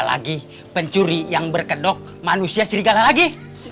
lagi pencuri yang berkedok manusia serigala lagi